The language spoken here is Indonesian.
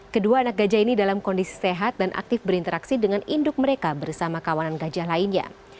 kedua anak gajah ini dalam kondisi sehat dan aktif berinteraksi dengan induk mereka bersama kawanan gajah lainnya